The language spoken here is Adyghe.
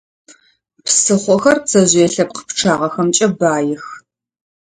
Псыхъохэр пцэжъые лъэпкъ пчъагъэхэмкӀэ баих.